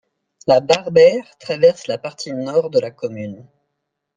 La Barbeire traverse la partie nord de la commune.